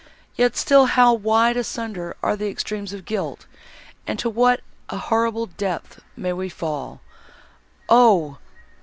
Yet still how wide asunder are the extremes of guilt, and to what a horrible depth may we fall! Oh!